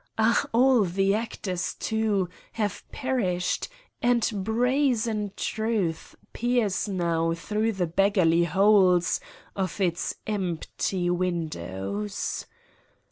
. ah, all the actors, too, have perished, and brazen Truth peers now through the beggarly holes of its empty windows.